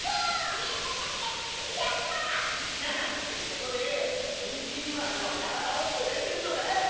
いやいやいややった！ってことでピンピンまめのからをプレゼントだ！